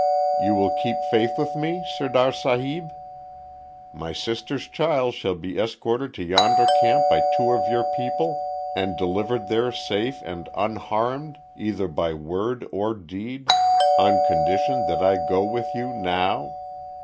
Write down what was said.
"You will keep faith with me, Sirdar Sahib? My sister's child shall be escorted to yonder camp by two of your people, and delivered there safe and unharmed either by word or deed, on condition that I go with you now?